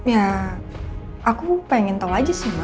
ya aku pengen tahu aja sih